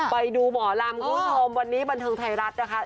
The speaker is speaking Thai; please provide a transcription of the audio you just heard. ไปดูหมอลำคุณผู้ชมวันนี้บันเทิงไทยรัฐนะคะ